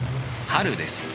春です。